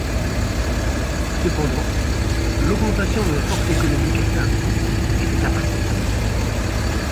Cependant, l'augmentation de la force économique atteinte était appréciable.